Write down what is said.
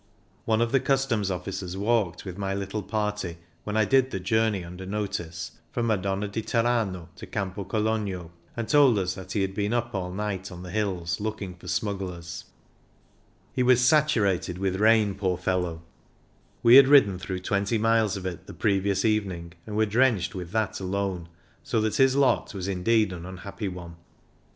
One of the customs officers walked with my little party, when I did the journey under notice, from Madonna di Tirano to Campo Cologno, and told us that he had been up all night on the hills looking for smugglers. ^ ■1 1 •■ 4 1 i >.■* V Iff/ ^ I r' i ^ 1 Ay W THE BERNINA 45 He was saturated with rain, poor fellow; we had ridden through 20 miles of it the previous evening, and were drenched with that alone, so that his lot was indeed an unhappy one.